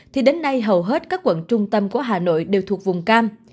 thì đến nay hầu hết các quận trung tâm của hà nội đều thuộc vùng cam